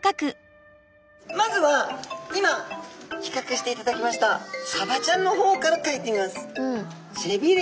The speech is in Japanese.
まずは今比較していただきましたサバちゃんの方からかいてみます。